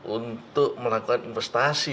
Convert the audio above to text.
untuk melakukan investasi